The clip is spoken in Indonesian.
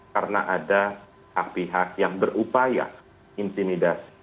karena ada pihak pihak yang berupaya intimidasi